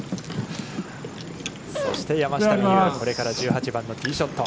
そして山下美夢有、これから１８番のティーショット。